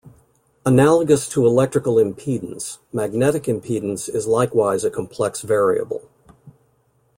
Analogous to electrical impedance, magnetic impedance is likewise a complex variable.